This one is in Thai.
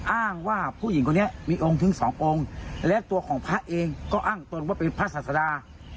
อ้างว่าผู้หญิงคนนี้มีองค์ถึงสององค์และตัวของพระเองก็อ้างตนว่าเป็นพระศาสดา